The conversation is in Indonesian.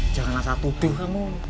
jangan asal tutup kamu